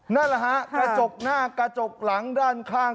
นั่นแหละฮะกระจกหน้ากระจกหลังด้านข้าง